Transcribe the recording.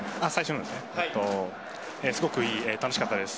すごく楽しかったです。